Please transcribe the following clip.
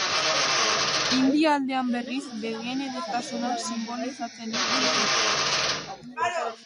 India aldean berriz, begien edertasuna sinbolizatzen du eperrak.